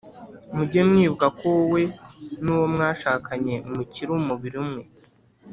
Mujye mwibuka ko wowe n uwo mwashakanye mukiri umubiri umwe